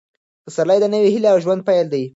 پسرلی د نوې هیلې او ژوند پیل دی.